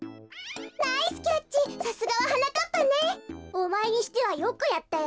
おまえにしてはよくやったよ。